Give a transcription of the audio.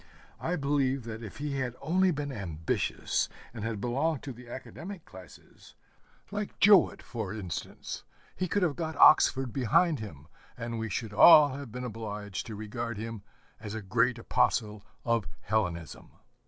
I believe that if he had only been ambitious, and had belonged to the academic classes, like Jowett for instance, he could have got Oxford behind him, and we should all have been obliged to regard him as a great apostle of Hellenism.